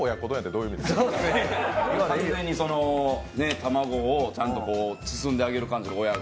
卵をちゃんと包んであげる感じの、親が。